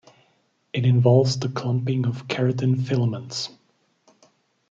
It involves the clumping of keratin filaments.